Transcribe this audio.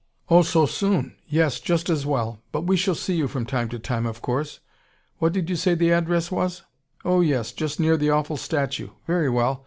"Oh, so soon. Yes, just as well. But we shall see you from time to time, of course. What did you say the address was? Oh, yes just near the awful statue. Very well.